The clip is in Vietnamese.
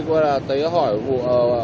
coi là tới họa